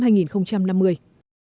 sẽ còn nhiều những sáng kiến mới